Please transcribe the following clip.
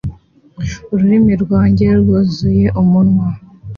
Ururimi rwanjye rwuzuye umunwa